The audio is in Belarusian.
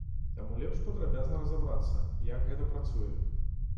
Таму лепш падрабязна разабрацца, як гэта працуе.